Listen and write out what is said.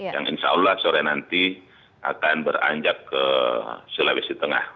yang insya allah sore nanti akan beranjak ke sulawesi tengah